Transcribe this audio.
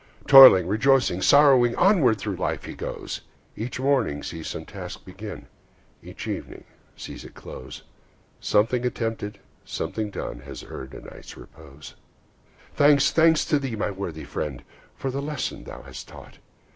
Toiling, rejoicing, sorrowing, Onward through life he goes; Each morning sees some task begun, Each evening sees it close; Something attempted, something done, Has earned a night's repose. Thanks, thanks to thee, my worthy friend, For the lesson thou hast taught!